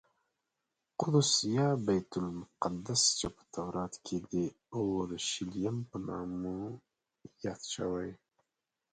قدس یا بیت المقدس چې په تورات کې د اورشلیم په نامه یاد شوی.